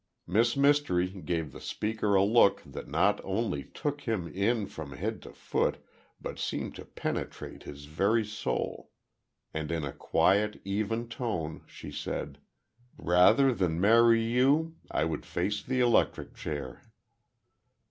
Miss Mystery gave the speaker a look that not only took him in from head to foot but seemed to penetrate his very soul, and in a quiet, even tone, she said: "Rather than marry you—I would face the electric chair."